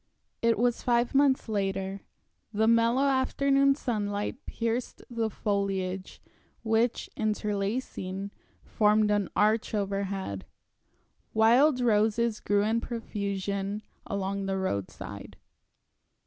It was five months later. The mellow afternoon sunlight pierced the foliage, which, interlacing, formed an arch overhead. Wild roses grew in profusion along the roadside.